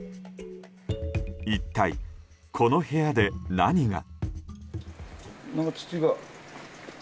一体この部屋で何が？